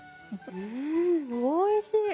うんおいしい！